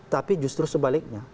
tapi justru sebaliknya